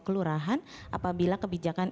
kelurahan apabila kebijakan